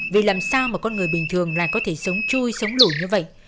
vì làm sao một con người bình thường lại có thể sống chui sống lủi như vậy